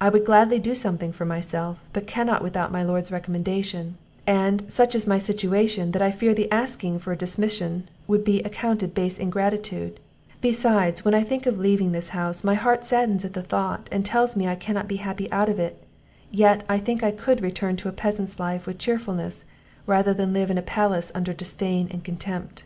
I would gladly do something for myself, but cannot without my lord's recommendation; and, such is my situation, that I fear the asking for a dismission would be accounted base ingratitude; beside, when I think of leaving this house, my heart saddens at the thought, and tells me I cannot be happy out of it; yet I think I could return to a peasant's life with cheerfulness, rather than live in a palace under disdain and contempt."